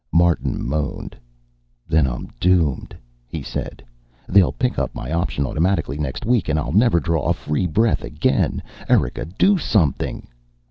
Martin moaned. "Then I'm doomed," he said. "They'll pick up my option automatically next week and I'll never draw a free breath again. Erika, do something!"